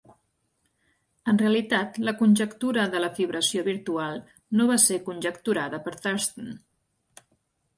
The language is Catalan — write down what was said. En realitat la conjectura de la fibració virtual no va ser conjecturada per Thurston.